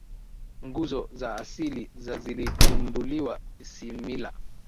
nguzo za asili za ziligunduliwa isimila